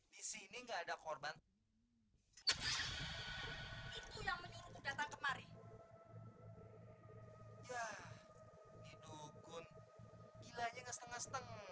di sini enggak ada korban itu yang menyuruh datang kemari ya hidupun gilanya nge steng nge steng